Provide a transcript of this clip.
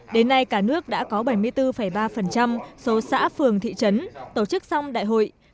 đến nay cả nước đã có bảy mươi bốn ba số xã phường thị trấn tổ chức xong đại hội